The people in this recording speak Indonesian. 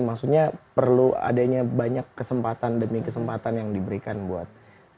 maksudnya perlu adanya banyak kesempatan demi kesempatan yang diberikan buat